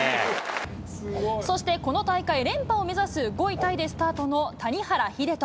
そしてこの大会連覇を目指す５位タイでスタートの谷原秀人。